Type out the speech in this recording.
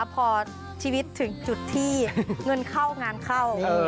พอชีวิตถึงจุดที่เงินเข้างานเข้า